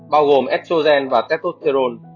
bao gồm estrogen và tetosterone